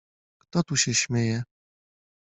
— Kto tu się śmieje?